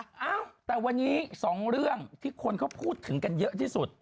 เฮ่ยแต่วันนี้๒เรื่องที่คนพูดถึงกันเยอะที่สุด